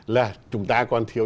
là chúng ta còn thiếu